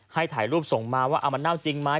ให้ถ่ายรูปส่งมาว่าเอามาเน่าจริงไหม